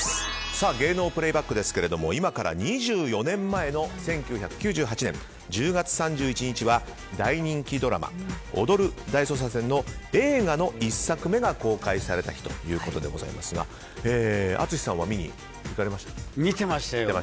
芸能プレイバックですけれども今から２４年前の１９９８年１０月３１日は大人気ドラマ「踊る大捜査線」の映画の１作目が公開された日ということでございますが淳さんは見に行かれましたか？